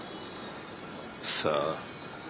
さあ。